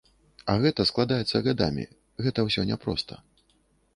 А гэта складаецца гадамі, гэта ўсё не проста.